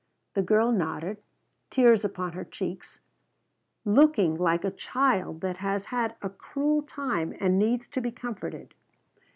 The girl nodded, tears upon her cheeks, looking like a child that has had a cruel time and needs to be comforted.